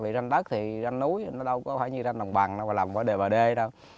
vì ranh đất thì ranh núi nó đâu có phải như ranh đồng bằng đâu làm có đề bờ đê đâu